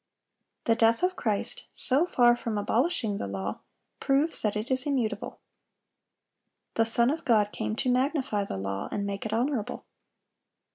The death of Christ, so far from abolishing the law, proves that it is immutable. The Son of God came to "magnify the law, and make it honorable."